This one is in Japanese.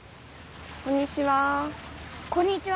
こんにちは。